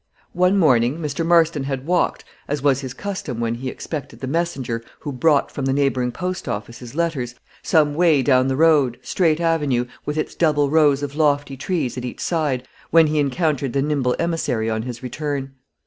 One morning, Mr. Marston had walked, as was his custom when he expected the messenger who brought from the neighboring post office his letters, some way down the broad, straight avenue, with its double rows of lofty trees at each side, when he encountered the nimble emissary on his return.